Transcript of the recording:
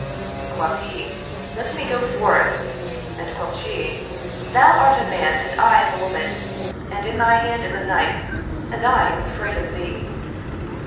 Quoth he, "Let me go forth"; and quoth she, " Thou art a man and I am a woman ; and in thy hand is a knife, and I am afraid of thee."